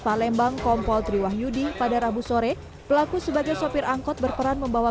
palembang kompol triwah yudi pada rabu sore pelaku sebagai sopir angkot berperan membawa